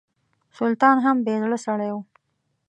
سلطان هم بې زړه سړی و.